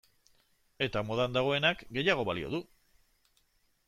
Eta modan dagoenak gehiago balio du.